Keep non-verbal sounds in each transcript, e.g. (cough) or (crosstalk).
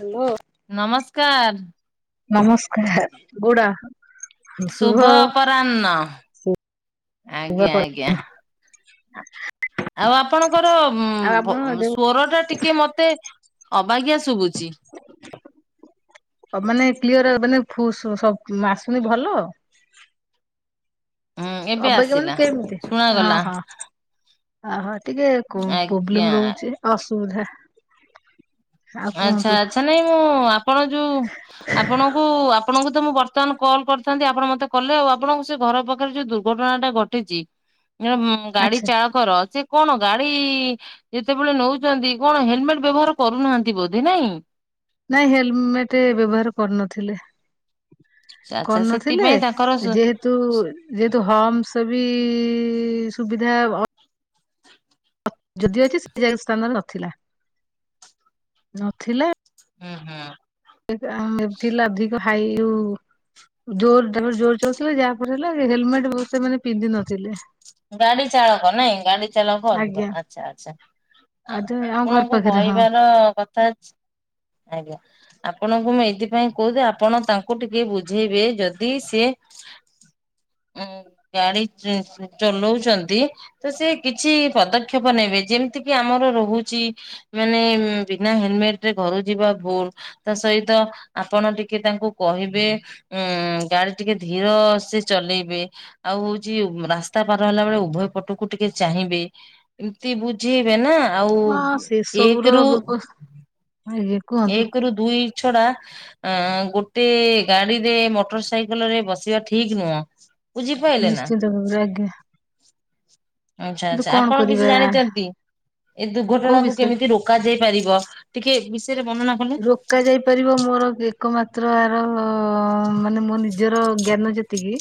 Hello. ନମସ୍କାର। ନମସ୍କାର ଗୁଡ଼ା ଶୁଭ ଅପରାହ୍ନ ଆଜ୍ଞା, ଆଉ ଆଜ୍ଞା। ଆଛା, ଆଉ ଆପଣଙ୍କର ଉଁ ଆପଣ ଯୋଉ ସ୍ଵର ଟା ଟିକେ ମତେ ଅବାଗିଆ ଶୁଭୁଚି। ମାନେ କ୍ଲିୟର ମାନେ ଫୁ ସୁ ଆସୁନି ଭଲ? ହୁଁ ଏବେ ଅବାଗିଆ ମାନେ ଆସିଲା କେମତି ହଁ ଶୁଣାଗଲା ହଁ। ଓହୋ ଟିକେ ଆଜ୍ଞା। ପ୍ରୋବ୍ଲେମ ରହୁଛି ଅସୁବିଧା। ଆଉ କୁହନ୍ତୁ ଆଛା ଆଚ୍ଛା ନାଇଁ ମୁଁ ଆପଣ ଯୋଉ ଆପଣଙ୍କୁ ଆପଣଙ୍କୁ ତ ମୁଁ ବର୍ତ୍ତମାନ କଲ୍ କରିଥାନ୍ତି ଆପଣ ମତେ କଲେ ଆଉ ଆପଣଙ୍କୁ ସେ ଘର ପାଖରେ ଯୋଉ ଦୁ ଦୁର୍ଘଟଣା ଟା ଘଟିଛି ଗାଡି ଆଚ୍ଛା। ଚା ର ସେ କଣ ଗାଡି ଯେତେବେଳେ ନୋଉଛନ୍ତି କଣ ହେଲମେଟ ବ୍ୟବହାର କରୁନାହାନ୍ତି? ବୋଧେ ନାଇଁ? ନାଇଁ ହେଲମେଟ ବ୍ୟବହାର କରୁନଥିଲେ। ଆଚ୍ଛା କରୁନଥିଲେ ସେଥିପାଇଁ ତାଙ୍କର ଯେହେତୁ ତୁ ଯେହେତୁ ହମସ ବି ସୁବିଧା ଯଦି ଅଛି ସେ ଜାଗା ସ୍ଥାନରେ ନଥିଲା ନଥିଲା ହୁଁହୁଁ। ଏମିତି ହେ ଅଧିକ ହାଇ ଉ ଜୋରଡ ଜୋର ଚାଲାଉଥିଲେ ଯାହାପରେ ହେଲା ହେଲମେଟ ସେମାନେେ ପିନ୍ଧି ନଥିଲେ। ଗାଡି ଚାଳକ ନାଇଁ ଗାଡି ଚାଳକ ଅଧିକ ଆଜ୍ଞା। ଆଚ୍ଛା ଆଚ୍ଛା। ଆଦ ଆମ ଘର ଆପଣଙ୍କୁ ପାଖରେ ହଁ କହିବାର କଥା ଅଛି ଆଜ୍ଞା। ଆପଣଙ୍କୁ ମୁଁ ଏଇଥିପାଇଁ କହୁଛିି ଆପଣ ତାଙ୍କୁ ଟିକେ ବୁଝେଇବେ ଯଦି ସିଏ ଉଁ ଗାଡ଼ି ଚୁଁ ଚଲଉଛନ୍ତି ତ ସେ କିଛି ପଦକ୍ଷେପ ନେବେ ଯେମିତି କିି ଆମର ରହୁଛି ମାନେ ଉଁ ବିନା ହେଲମେଟ ରେ ଘରୁ ଯିବା ଭୁଲ। ତା ସହିତ ଆପଣ ଟିକେ ତାଙ୍କୁ କହିବେ ଉଁ ଗାଡି ଟିକେ ଧିର ସେ ଚଲେଇବେ ଆଉ ହଉଛି ରାସ୍ ରାସ୍ତା ପାର ହେଲା ବେଳେ ଉଭୟ ପଟକୁ ଟିକେ ଚାହିଁବେ। ଏମିତି ବୁଝେଇବେ ନା ଆଉ ହଁ ସେ ସବୁର ଏକ ରୁ ବ୍ୟବସ୍ଥା ଆଜ୍ଞା। କୁହନ୍ତୁ। ଏକ ରୁ ଦୁଇ ଛଡା ଆଁ ଗୋଟେ ଗାଡିରେ ମୋଟର ସାଇକେଲ ରେ ବସିବା ଠିକ ନୁହଁ। ବୁଝିପାଇଲେ ନା। ଦରେ ଆଜ୍ଞା। ଆଚ୍ଛା କିନ୍ତୁ ଆଚ୍ଛା କଣ ଆପଣ କରିବା କିଛି ଜାଣିଛନ୍ତି। ଏ କୋଉ ଦୁର୍ଘଟଣା କୁ ବିଷୟରେ କେମିତି ରୋକା ଯାଇ ପାରିବ ଟିକେ ବିଷୟରେ ବର୍ଣ୍ଣନା କଲେ। ରୋକା ଯାଇପାରିବ ମୋର ଏକମାତ୍ର ଆର ଅ ମାନେ ମୋର୍ ନିଜ୍ ନିଜର ଜ୍ଞାନ ଯେତିକି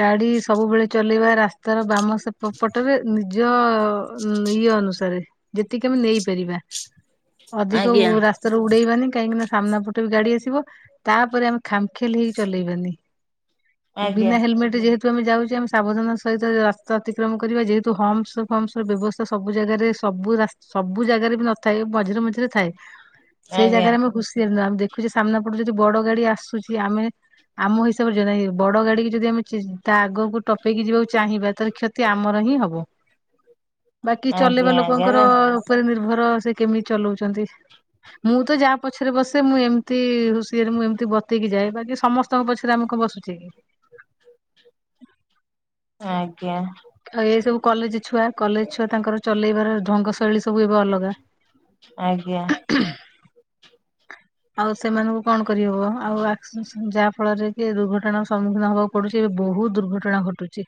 ଗାଡି ସବୁବେଳେ ଚଲେଇବା ରାସ୍ତାର ବାମ ସେପ ପଟରେ ନିଜ ଉ ଇଏ ଅନୁସାରେ ଯେତିକି ଆମେ ନେଇପାରିବା ଅଧିକ ଓ ଆଜ୍ଞା। ରାସ୍ତ୍ ଉଡେଇବାନି କାହିଁକି ନା ସାମ୍ନା ପଟେ ବି ଗାଡି ଆସିବ। ତାପରେ ଆମେ ଖାମଖିଆଲି ହେଇ ଚଲେଇବାନି ଆଜ୍ଞା ବିନା ହେଲମେଟ ଯେହେତୁ ଯେହେତୁ ଆମେ ଯାଉଛେ ଆମେ ସାବଧାନ ସହିତ ରାସ୍ତା ଅତିକ୍ରମ କରିବା ଯେହେତୁ ହମସ୍ ବ୍ୟବସ୍ ର ବ୍ୟବସ୍ତ୍ ତ ସବୁ ଜାଗାରେ ସବୁ ରାସ୍ତ୍ ସବୁ ଜାଗାରେ ବି ନଥାଏ ମଝିରେ ମଝିରେ ଥାଏ। ସେଇ ଆଜ୍ଞା ଜାଗାରେ ଆମେ ଖୁସି ହେନୁ ଆମେ ଦେଖୁଛେ ସାମ୍ନା ପଟୁ ଯଦି ବଡ ଗାଡି ଆସୁଛି ଆମେ ଆମ ହିସାବରେ (unintelligible) ବଡ ଗାଡି କି ଯଦି ଆମେ ତା ଆଗକୁ ଟପେଇକି ଯିବାକୁ ଚାହିଁବା ତାହେଲେ କ୍ଷତ୍ କ୍ଷତି ଆମର ହିଁ ହବ ବାକି ଆଜ୍ଞା ଚଲେଇବା ଆଜ୍ଞା ନା ଲୋକଙ୍କର ଉପରେ ନିର୍ଭର ସେ କେମିତି ଚଲଉଛନ୍ତି। ମୁଁ ତ ଯାହା ପଛରେ ବସେ ମୁଁ ଏମିତି ହୁସିଆରେ ମୁଁ ଏମିତି ବତେଇକି ଯାଏ ବାକି ସମସ୍ତେ ସମସ୍ତ ଙ୍କ ପଛରେ ଆମେ କଣ୍ ବସୁଛେ। ଆଜ୍ଞା। ଆଉ ଏ ସବୁ କଲେଜ ଛୁଆ କଲେଜ ଛୁଆ ତାଙ୍କର ଚଲେଇବାର ଢଙ୍ଗ ଶୈଳୀ ସବୁ ଏବେ ଅଲଗା। ଆଜ୍ଞା। ଆଉ ସେମାନଙ୍କୁ କଣ କରିହବ ଆଉ ଆ କ୍ସ ଯାହଫଳରେ କି ଦୁର୍ଘଟଣାର ସମ୍ମୁଖୀନ ହବାକୁ ପଡୁଛି ଏବେ ବହୁତ ଦୁର୍ଘଟଣା ଘଟୁଛି।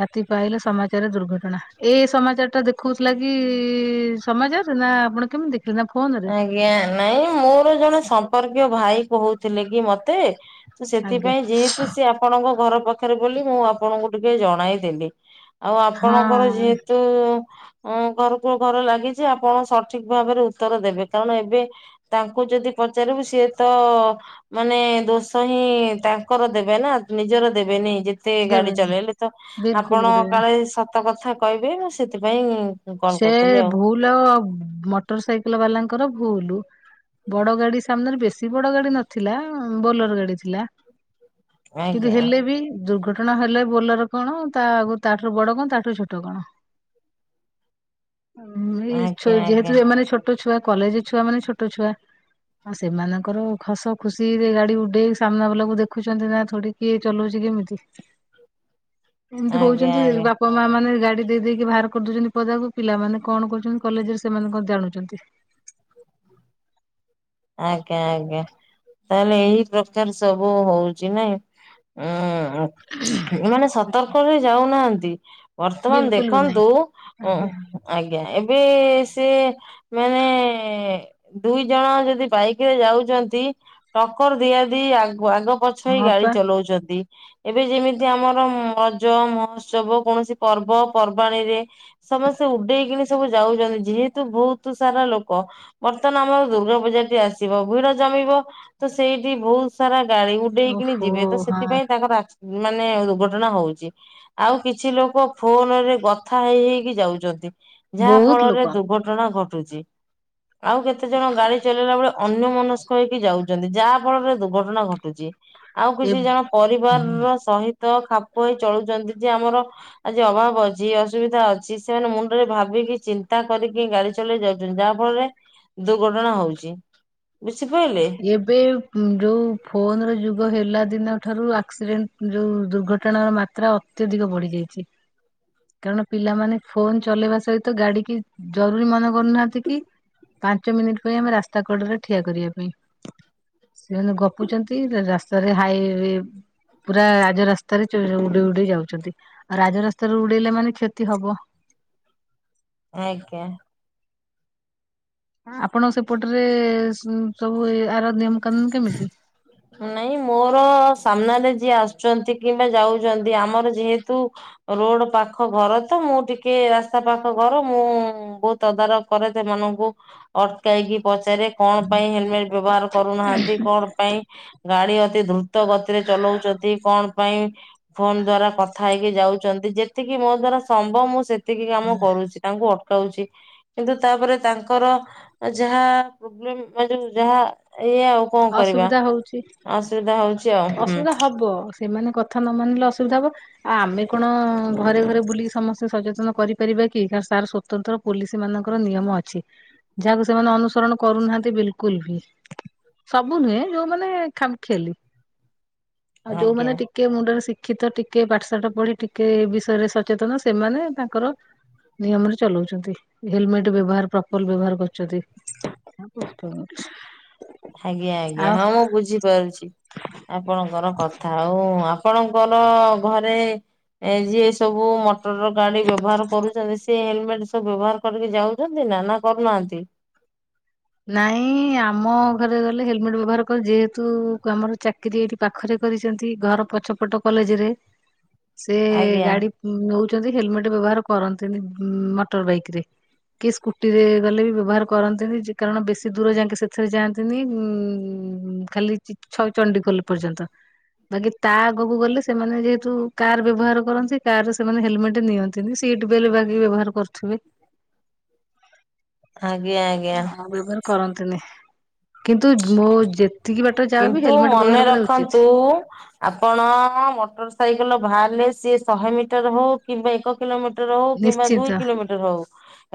ରାତି ପାହିଲେ ସମାଚାର ଦୁର୍ଘଟଣା ଏ ସମାଚାର ଟା ଦେଖଉଥିଲା କି ସମାଜଚାର ରେ ନା ଆପଣ କେମିତି ଦେଖିଲେ ନା ଫୋନ ରେ। ଆଜ୍ଞା ନାଇଁ ମୋର ଜଣେ ସମ୍ପର୍କୀୟ ଭାଇ କହୁଥିଲେ କି ମତେ ତ ଆଜ୍ଞା ସେଥିପାଇଁ ଯେହେତୁ ସିଏ ଆପଣଙ୍କ ଘର ପାଖରେ ବୋଲି ମୁଁ ଆପଣଙ୍କୁ ଟିକେ ଜଣାଇଦେଲି। ଆଉ ଆପଣଙ୍କର ହଁ ଯେହେତୁ ଘରକୁ ଘର ଲାଗିଛି ଆପଣ ସଠିକ୍ ଭାବରେ ଉତ୍ତର ଦେବେ କାରଣ ଏବେ ତାଙ୍କୁ ଯଦି ପଚାରିବୁ ସିଏ ତ ମାନେ ଦୋଷ ହିଁ ତାଙ୍କର ଦେବେ ନା ନିଜର ଦେବେନି ଯେ ମତେ ଗାଡି ଦେବେନି ଚଲେଇଲେ ତ ବିଲକୁଲ ବି ଆପଣ ଦେବେନି। କାଳେ ସତ କଥା କହିବେ ସେଥିପାଇଁ କଲ୍ ସେ କରିଥିଲି ଆଉ। ଭୁଲ୍ ମୋଟର ସାଇକେଲ୍ ବାଲାଙ୍କର ଭୁଲ୍। ବଡ ଗାଡି ସାମ୍ନାରେ ବେଶୀ ବଡ ଗାଡି ନଥିଲା ବୋଲର ଗାଡି ଥିଲା। କିନ୍ତୁ ଆଜ୍ଞା ହେଲେ ବି ଦୁର୍ଘଟ କଟଣ ହେଲେ ବୋଲର କଣ ତା ଆଗ ତାଠୁ ବଡ କଣ ତାଠାରୁୁ ଛୋଟ କଣ। ଏଇ ଆଜ୍ଞା ଆଜ୍ଞା। ଯେହେତୁ ଏମାନେ ଛୋଟ ଛୁଆ କଲେଜ ଛୁଆ ମାନେ ଛୋଟ ଛୁଆ। ଆଉ ସେମାନଙ୍କର ଖସ ଖୁସି ରେ ଗାଡି ଉଡେଇ ସାମ୍ନା ବାଲାକୁ ଦେଖୁଛନ୍ତି ନା ଥୋଡି କିଏ ଚଲଉଚି କେମିତି। ଏମିତି ଆଜ୍ଞା ହଉଛନ୍ତି ଆଜ୍ଞା ବାପା ମା ମାନେ ଗାଡି ଦେଇଦେଇକି ବାହାର କରିଦଉଛନ୍ତି। ପଦାକୁ ପିଲାମାନେ କଣ କରୁଛନ୍ତି କଲେଜରେ ସେମାନେ କଣ ଜାଣୁଛନ୍ତି। ଆଜ୍ଞା ଆଜ୍ଞା। ତାହେଲେ ଏଇ ପ୍ରକାର ସବୁ ହଉଚି ନାଇଁ ଉଁ। ଏମାନେ ସତର୍କରେ ଯାଉନାହାନ୍ତି। ବର୍ତ୍ତମାନ ବିଲକୁଲ ବି ନାହିଁ ଦେଖନ୍ତୁ ଆଜ୍ଞା ଆଜ୍ଞା ଏବେ ସେ ମାନେ ଦୁଇ ଜଣ ଯଦି ବାଇକ୍‌ ରେ ଯାଉଛନ୍ତି ଟକର ଦିଆଦ ଆଗ ପଛ ହେଇ ହଁ ଗାଡି ପା ଚଲଉଛନ୍ତି। ଏବେ ଯେମିତି ଆମର ରଜ ମହୋତ୍ସବ କୌଣସି ପର୍ବ ପର୍ବାଣିରେ ସମସ୍ତେ ଉଡେଇକିନି ସବୁ ଯାଉଛନ୍ତି ଯେହେତୁ ବହୁତ ସାରା ଲୋକ। ବର୍ତ୍ତମାନ ଆମର ଦୁର୍ଗା ପୂଜାଟି ଆସିବ ଭିଡ ଜମିବ ତ ସେଇଠି ବହୁତ ସାରା ଗାଡି ଉଡେଇକିନି ଓହୋ ଯିବେ ତ ହଁ ସେଥିପାଇଁ ତାଙ୍କର ମାନେ ଦୁର୍ଘଟଣା ହଉଛି। ଆଉ କିଛି ଲୋକ ଫୋନ୍ ରେ କଥା ହେଇ ହେଇକି ଯାଉଛନ୍ତି। ଯାହା ବହୁତ ଫଳରେ ଲୋକ ଦୁର୍ଘଟଣା ଘଟୁଛି ଆଉ କେତେ ଜଣ ଗାଡି ଚଲି ଚଳେଇଲା ବେଳେ ଅନ୍ୟ ମନସ୍କ ହେଇକି ଯାଉଛନ୍ତି ଯାହା ଫଳରେ ଦୁର୍ଘଟଣା ଘଟୁଛି। ଆଉ ଏ କିଛି ଜଣ ପରିବାର ର ସହିତ ଖାପ ହେଇ ଚଳୁଛନ୍ତି ଯେ ଆମର ଆଜି ଅଭାବ ଅଛି ଅସୁବିଧା ଅଛି ସେମାନେ ମୁଣ୍ଡରେ ଭାବିକି ଚିନ୍ତା କରିକି ଗାଡି ଚଲେଇ ଯାଉଛନ୍ତି ଯାହା ଫଳରେ ଦୁର୍ଘଟଣା ହଉଛି ବୁଝିପାଇଲେ। ଏବେ ଯୋଉ ଫୋନର ଯୁଗ ହେଲା ଦିନଠାରୁ ଆକ୍ସିଡେଣ୍ଟ ଯୋଉ ଦୁର୍ଘଟଣାର ମା ଯାତ୍ରା ଅତ୍ୟଧିକ ବଢିଯାଇଚି। କାରଣ ପିଲାମାନେ ଫୋନ୍ ଚଲେଇବା ସହିତ ଗାଡି କି ଜରୁରୀ ମନେ କରୁନାହାନ୍ତି କି। ପାଞ୍ଚ ମିନିଟ୍ ପାଇଁ ଆମେ ରାସ୍ତା କଡରେ ଠିଆ କରିବା ପାଇଁ। ସେମାନେ ଗପୁଛନ୍ତି ରାସ୍ତାରେ ହାଇ ପୁରା ରାଜରାସ୍ତାରେ ଉଡେଇ ଉଡେଇ ଯାଉଛନ୍ତି ଆଉ ରାଜରାସ୍ତାରେ ଉଡେଇଲେ ମାନେ କ୍ଷତି ହବ। ଆଜ୍ଞା। ଆପଣ ସେପଟରେ ସବୁ ଆର ନିୟମ କାନୁନ୍ କେମିତି? ନାଇଁ ମୋର ସାମ୍ନାରେ ଯିଏ ଆସୁଛନ୍ତି କିମ୍ବା ଯାଉଛନ୍ତି ଆମର ଯେହେତୁ ରୋଡ ପାଖ ଘର ତ ମୁଁ ଟିକେ ରାସ୍ତା ପାଖ ଘର ମୁଁ ବୋହୁତ ତଦାରଖ କରେ ସେମାନଙ୍କୁ ଅଟକାଇକି ପଚାରେ। କଣ ପାଇଁ ହେଲମେଟ୍ ବ୍ୟବହାର କରୁନାହାନ୍ତି କଣ ପାଇଁ। ଗାଡି ଅତି ଦ୍ରୁତ ଗତିରେ ଚଲାଉଛନ୍ତି କଣ ପାଇଁ। ଫୋନ ଦ୍ଵାରା କଥା ହେଇକି ଯାଉଛନ୍ତି ଯେତିକି ମୋ ଦ୍ଵାରା ସମ୍ଭବ ମୁଁ ସେତିକି କାମ କରୁଛି। ତାଙ୍କୁ ଅଟକାଉଛି। କିନ୍ତୁ ତାପରେ ତାଙ୍କର ଯାହା ପ୍ରୋବ୍ଲେମେ ଯଉ ଯାହା ଇ କଅଁ କରିବା ଅସୁବିଧା ହଉଛି ଅସୁବିଧା ହଉଛି ଆଉ ହୁଁ ଅସୁବିଧା ହବ ସେମାନେ କଥା ନ ମାନିଲେ ଅସୁବିଧା ହବ ଆ ଆମେ କଣ ଘରେ ଘରେ ବୁଲିକି ସମସ୍ତେ ସଚେତନ କରିପାରିବା କି ତାର ସ୍ଵନ୍ତ ତ୍ର ପୋଲିସ ମାନଙ୍କର ନିୟମ ଅଛି। ଯାହାକୁ ସେମାନେ ଅନୁସରଣ କରୁନାହାନ୍ତି ବିଲକୁଲ ବି। ସବୁ ନୁହେ ଯୋଉମାନେ ଖାମ୍‌ ଖିଆଲି। ଆଉ ଆଜ୍ଞା ଯୋଉମାନୋନ ଟିକ୍ ଟିକେ ମୁଣ୍ଡରେ ଶିକ୍ଷିତ ଟିକେ ପାଠଶାଠ ପଢି ଟିକେ ଏ ବିଷୟରେ ସଚେତନ ସେମାନେ ତାଙ୍କର ନିୟମରେ ଚଲଉଛନ୍ତି ହେଲମେଟ ବ୍ୟବହାର ପ୍ରପର ବ୍ୟବହାର କରୁଛନ୍ତି। ବ (unintelligible) ଆଜ୍ଞା ଆଜ୍ଞା ହଁ ମୁଁ ବୁଝିପାରୁଛି। ଆପଣଙ୍କର କଥା ଆଉ ଆପଣଙ୍କର ଘରେ ଯିଏ ସବୁ ମ ମଟର ଗାଡି ବ୍ୟବହାର କରୁଚନ୍ତି ସେ ହେଲମେଟ ସବୁ ବ୍ୟବହାର କରିକି ଯାଉଛନ୍ତି ନା ନା କରୁନାହାନ୍ତି? ନାଇଁ ଆମ ଘରେ ଗଲେ ହେଲମେଟ ବ୍ୟବହାର କର ଯେହେତୁ ଆମର ଚା ଚାକିରରି ଏଇଠି ପାଖରେ କରିଛନ୍ତି ଘର ପଛପଟ କଲେଜରେ ସେ ଆଜ୍ଞା ଗାଡି ନେଉଛନ୍ତି ହେଲମେଟ ବ୍ୟବହାର କରନ୍ତିନି ମୋଟର ବାଇକରେ। କିଏ ସ୍କୁଟି ରେ ଗଲେ ବି ବ୍ୟବହାର କରନ୍ତିନି ଯି କାରଣ ବେଶୀ ଦୂର ଯାଇକି ସେଥିରେ ଯାଆନ୍ତିନି ଉ ଖାଲିଛ ଚଣ୍ଡିଖୋଲ ପର୍ଯ୍ୟନ୍ତ। ବାକି ତା ଆଗକୁ ଗଲେ ସେମାନେ ଯେହେତୁ କାର ବ୍ୟବହାର କରନ୍ତି କାର ରେ ସେମାନେ ହେଲମେଟ ନିଅ ସିଟ ବେଲ ବାନ୍ଧି ବ୍ୟବହାର କରୁଥିବେ। ଆଜ୍ଞା ଆଜ୍ଞା। ହଁ ବ୍ୟବାର କରନ୍ତିନି। କିନ୍ତୁ ମୋ ଯେତିକି ବାଟ ଯାହାବ ହେଲମେଟ ବ୍ୟବହାର କରିବା ଉଚିତ୍। ବୋଉ ଆପଣ ମୋଟର ସାଇକେଲ ବାହାରିଲେ ସିଏ ଶହେ ମିଟର ହଉ। କିମ୍ବା ଏକ କିଲୋମିଟର ହଉ କିମ୍ବା ନିଶ୍ଚିନ୍ତ ଦୁଇ କିଲୋମିଟର ହଉ।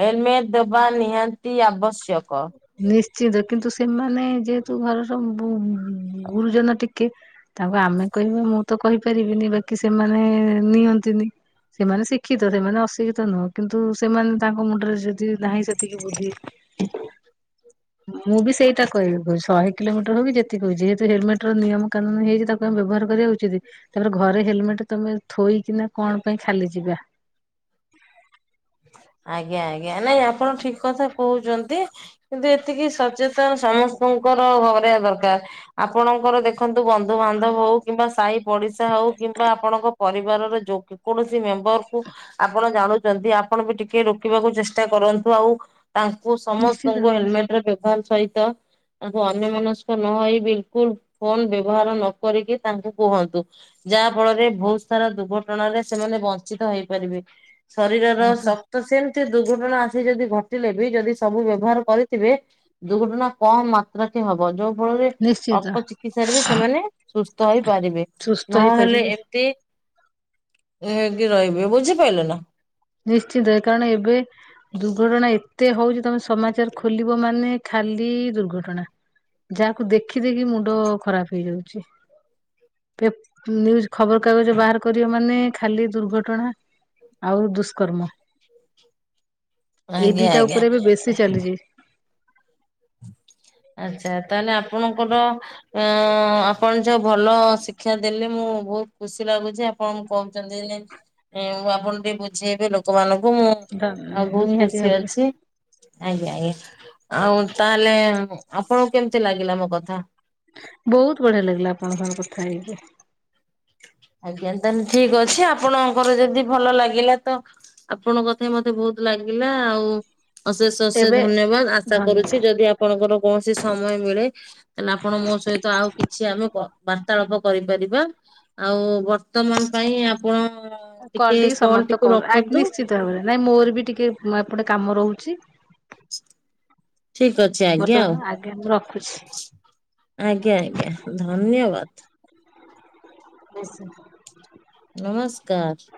ହେଲମେଟ ଦେବା ନିହାତି ଆବଶ୍ୟକ। ନିଶ୍ଚନ୍ତ କିନ୍ତୁ ସେମାନେ ଯେହେତୁ ଘରର ଗୁରୁଜନ ଟିକେ ତାଙ୍କୁ ଆମେ କହିବା ମୁଁ ତ କହିପାରିବିନି ବାକି ସେମାନେ ନିଅନ୍ତିନି। ସେମାନେ ଶିକ୍ଷିତ ସେମାନେ ଅଶିକ୍ଷିତ ନୁହଁ କିନ୍ତୁ ସେମାନେ ତାଙ୍କ ମୁଣ୍ଡରେ ଯଦି ନାହିଁ ସେତିକି ବୁଦ୍ଧି। ମୁଁ ବି ସେଇଟା କହିବି କହୁ ଶହେ କିଲୋମିଟର ହବି ଯେତିକ କହୁଛି ଯେହେତୁ ହେଲମେଟ ର ନିୟମ କାନୁନ ହେଇଛି ତା। କ ବ୍ୟବହାର କରିବା ଉଚିତ ତାପରେ ଘରେ ହେଲମେଟ ତମେ ଥୋଇକିନା କଣ ପାଇଁ ଖାଲି ଯିବା। ଆଜ୍ଞା ଆଜ୍ଞା ନାଇଁ ଆପଣ ଠିକ କଥା କହୁଛନ୍ତି। କିନ୍ତୁ ଏତିକି ସଚେତନ ସମସ୍ତଙ୍କର ଘର ଦରକାର ଆପଣଙ୍କର ଦେଖନ୍ତୁ ବନ୍ଧୁବାନ୍ଧବ ହଉ କିମ୍ବା ସାହି ପଡିଶା ହଉ କିମ୍ବା ଆପଣଙ୍କ ପରିବାରର ଯ କୌଣସି ମେମ୍ବର କୁ ଆପଣ ଜାଣୁଚନ୍ତି। ଆପଣ ବି ଟିକେ ରୋକିବାକୁ ଚେଷ୍ଟା କରନ୍ତୁ ଆଉ ତାଙ୍କୁ ନିଶ୍ଚିତ ସମସ୍ତଙ୍କୁ ଭାବରେ ହେଲମେଟ ର ବ୍ୟବହାର ସହିତ ତାଙ୍କୁ ଅନ୍ୟ ମନସ୍କ ନହଇ ବିଲକୁଲ ଫୋନ ବ୍ୟବହାର ନ କରିକି ତାଙ୍କୁ କୁହନ୍ତୁ। ଯାହା ଫଳରେ ବହୁତ ସାରା ଦୁର୍ଘଟଣାରେ ସେମାନେ ବଞ୍ଚିତ ହେଇପାରିବେ ଶରୀରର ଆଗୁଆ ତ ସେମିତି ଦୁର୍ଘଟଣା ଆସି ଯଦି ଘଟିଲେ ବି ଯଦି ସବୁ ବ୍ୟବହାର କରିଥିବେ ଦୁର୍ଘଟଣା କମ ମାତ୍ରାକ ହବ ଯୋଉ ଫଳରେ ନିଶ୍ଚିତ ଅଳ୍ପ ଚିକିତ୍ସା ରେ ବି ସେମାନେ ସୁସ୍ଥ ହେଇପାରିବେ ସୁସ୍ଥ ନହେଲେ ହେଇପାରିବେ ଏମିତି ହେଇକି ରହିବେ ବୁଝିପାଇଲ ନା? ନିଶ୍ଚିନ୍ତ କାରଣ ଏବେ ଦୁର୍ଘଟଣା ଏ ଏତେ ହଉଛି ତମେ ସମାଚାର ଖୋଲିବ ମାନେ ଖାଲି ଦୁର୍ଘଟଣା। ଯାହାକୁ ଦେଖି ଦେଖି ମୁଣ୍ଡ ଖରାପ ହେଇଯାଉଛି। ପେ ନିୟୁଜୁ ଖବର କାଗଜ ବାହାର କରିବ ମାନେ ଖାଲି ଦୁର୍ଘଟଣା। ଆଉ ଦୁଷ୍କର୍ମ ଏଇ ଆଜ୍ଞା ଦିଟା ଆଜ୍ଞା। ଉପରେ ଏବେ ବେଶୀ ଚାଲିଛି। ଆଚ୍ଛା ତାହେଲେ ଆପଣଙ୍କର। ଅ ଆପଣ ଯୋଉ ଭଲ ଶିକ୍ଷା ଦେଲେ ମୁଁ ବହୁତ ଖୁସି ଲାଗୁଛି। ଆପ୍ କଣ କହୁଛନ୍ତି ଯେ ମୁଁ ଆପଣ ଟିକେ ବୁଝେଇବି ଲୋକମାନଙ୍କୁ ମୁଁ ଆଉ ବହୁତ ନିହାତି ଖୁସି ଭାବରେ। ଅଛି। ଆଜ୍ଞା ଆଜ୍ଞା ଆଉ ତାହେଲେ ଆପଣଙ୍କୁ କେମତି ଲାଗିଲା ମୋ କଥା? ବହୁତ ବଢିଆ ଲାଗିଲା ଆପଣଙ୍କ ସହ କଥା ହେଇକି। ଆଜ୍ଞା ତାହେଲେ ଠିକ ଅଛି ଆପଣଙ୍କର ଯଦି ଭଲ ଲାଗିଲା ତ ଆପଣଙ୍କ କଥା ହ ମତେ ବହୁତ ଲାଗିଲା ଆଉ ଅଶେଷ ଅଶେଷ ଏବେ ଧନ୍ୟବାଦ ଆଶା ଧନ୍ୟବାଦ। କରୁଛି ଯଦି ଆପଣଙ୍କର କୌଣସି ସମୟ ମିଳେ ତାଲେ ଆପଣ ମୋ ସହିତ ଆଉ କିଛି ଆମେ ବାର୍ତାଳାପ କରିପାରିବା। ଆଉ ବର୍ତ୍ତମାନ ପାଇଁ ଆପଣ ଟିକେ କଲଟିକୁ ରଖନ୍ତୁ। ତା ପରେ ନାଇଁ ମୋର ବି ଟିକେ ଏପଟେ କାମ ରହୁଛି। ଠିକ୍ ଅ ଚି ଆଜ୍ଞା ବର୍ତ୍ତମାନ ଆଉ ଆଜ୍ଞା ମୁଁ ରଖୁଛି। ଆଜ୍ଞା ଆଜ୍ଞା ଧନ୍ୟବାଦ। ବେଶ୍। ନମସ୍କାର।